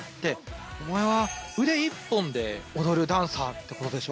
お前は腕１本で踊るダンサーって事でしょ？